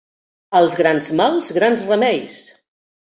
Als grans mals, grans remeis.